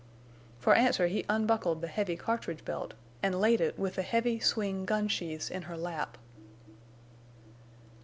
For answer he unbuckled the heavy cartridge belt, and laid it with the heavy, swing gun sheaths in her lap.